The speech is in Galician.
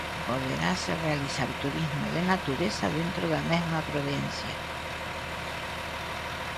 Poderase realizar turismo de natureza dentro da mesma provincia.